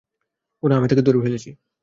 গুনা আমি তাকে ধরে ফেলেছি।